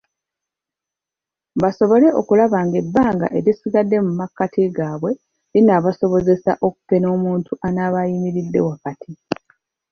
Basobole okulaba ng'ebbanga erisigadde mu makati gaabwe linaabasobozesa okupena omuntu anaaba ayimiridde wakati.